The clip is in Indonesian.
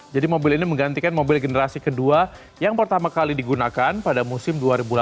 jadi mobil ini menggantikan mobil generasi kedua yang pertama kali digunakan pada musim dua ribu delapan belas dua ribu sembilan belas